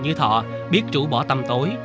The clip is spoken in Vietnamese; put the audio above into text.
như thọ biết trụ bỏ tâm tối